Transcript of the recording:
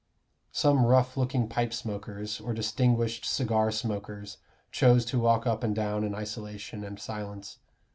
Some rough looking pipe smokers, or distinguished cigar smokers, chose to walk up and down in isolation and silence.